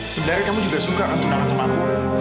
sebenernya kamu juga suka akan tundangan sama aku